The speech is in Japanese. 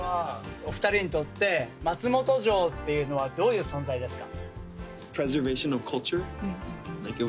お二人にとって松本城っていうのはどういう存在ですか？